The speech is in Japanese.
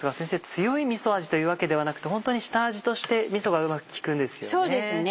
強いみそ味というわけではなくてホントに下味としてみそがうまく利くんですよね。